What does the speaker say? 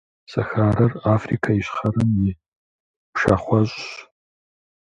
Сахарэр - Африкэ Ищхъэрэм и пшахъуэщӏщ.